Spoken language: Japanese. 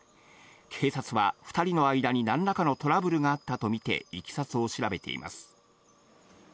警察は２人の間に何らかのトラブルがあったとみて、いきさつを調べています。